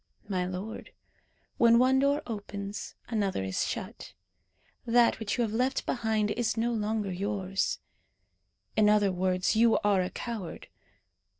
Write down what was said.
'My lord, when one door opens another is shut. That which you have left behind is no longer yours.' In other words, you are a coward.